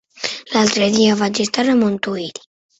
L'altre dia vaig estar a Montuïri.